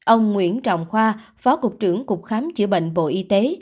ông nguyễn trọng khoa phó cục trưởng cục khám chữa bệnh bộ y tế